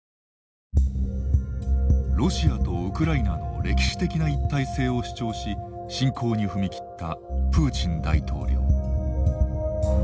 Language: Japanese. ロシアとウクライナの歴史的な一体性を主張し侵攻に踏み切ったプーチン大統領。